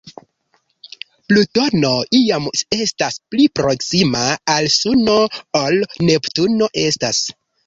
Plutono iam estas pli proksima al Suno ol Neptuno estas.